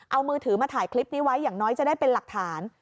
เอามือถือมาถ่ายคลิปนี้ไว้อย่างน้อยจะได้เป็นหลักฐาน